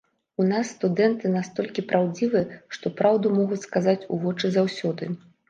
У нас студэнты настолькі праўдзівыя, што праўду могуць сказаць у вочы заўсёды.